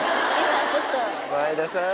前田さん。